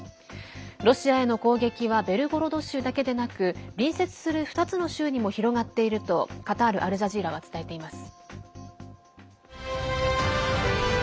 ロシアへの攻撃はベルゴロド州だけでなく隣接する２つの州にも広がっているとカタール・アルジャジーラは伝えています。